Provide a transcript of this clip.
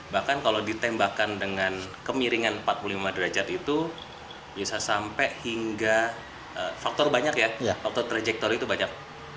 bahkan kalau ditembakkan dengan kemiringan empat puluh lima derajat itu bisa sampai hingga faktor banyak ya faktor trajektor itu banyak